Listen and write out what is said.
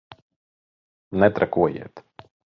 Netrakojiet!